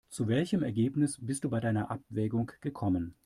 Zu welchem Ergebnis bist du bei deiner Abwägung gekommen?